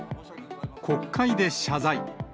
国会で謝罪。